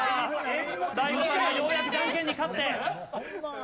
・大悟さんがようやくジャンケンに勝って。